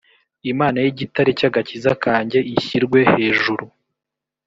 imana y igitare cy agakiza kanjye ishyirwe hejuru